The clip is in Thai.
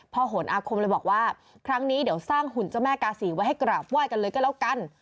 โหนอาคมเลยบอกว่าครั้งนี้เดี๋ยวสร้างหุ่นเจ้าแม่กาศีไว้ให้กราบไห้กันเลยก็แล้วกัน